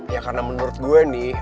ya karena menurut gue nih